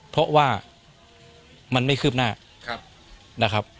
เพราะว่ามันไม่ขืบหน้า